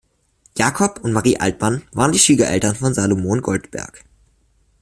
Jakob und Marie Altmann waren die Schwiegereltern von Salomon Goldberg.